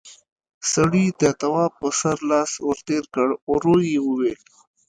سړي د تواب پر سر لاس ور تېر کړ، ورو يې وويل: